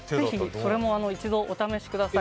それも一度お試しください。